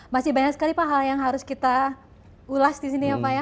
masih banyak sekali pak hal yang harus kita ulas di sini ya pak ya